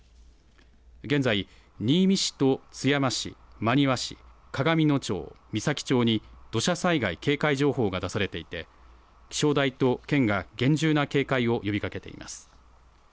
現在、新見市と津山市、真庭市、鏡野町、美咲町に土砂災害警戒情報が出されていて気象台と県が厳重な警戒を呼びかけています。